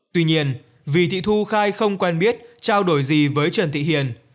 tuy nhiên vì thị thu khai không quen biết trao đổi gì với trần thị hiền